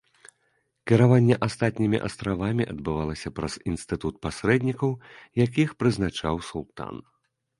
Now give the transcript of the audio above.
Кіраванне астатнімі астравамі адбывалася праз інстытут пасрэднікаў, якіх прызначаў султан.